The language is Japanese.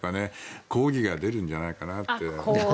こうぎが出るんじゃないかなって。